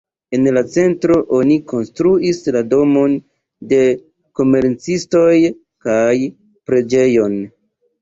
En la centro oni konstruis la domon de komercistoj kaj preĝejon.